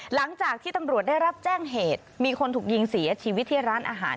หลังจากที่ตำรวจได้รับแจ้งเหตุมีคนถูกยิงเสียชีวิตที่ร้านอาหาร